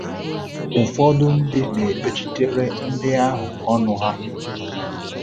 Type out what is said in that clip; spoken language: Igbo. ụfọdụ ndị na-ekpechitere ndị ahụ ọnụ ha